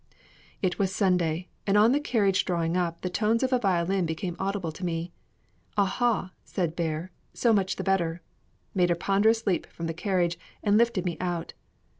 It was Sunday, and on the carriage drawing up, the tones of a violin became audible to me. "Aha!" said Bear, "so much the better;" made a ponderous leap from the carriage, and lifted me out.